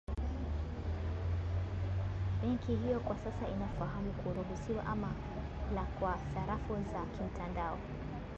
Benki hiyo kwa sasa inafanya utafiti wa awali kufahamu kuruhusiwa ama la kwa sarafu za kimtandao.